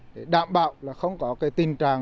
để đảm bảo không có tình trạng